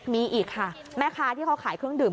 มีอีกค่ะแม่ค้าที่เขาขายเครื่องดื่ม